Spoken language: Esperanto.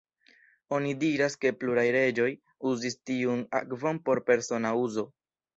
Oni diras ke pluraj reĝoj uzis tiun akvon por persona uzo.